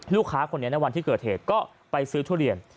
ลูกค้าคนนี้ในวันที่เกิดเหตุก็ไปซื้อทุเรียน